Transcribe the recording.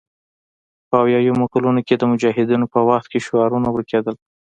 په اویایمو کلونو کې د مجاهدینو په وخت کې شعارونه ورکول کېدل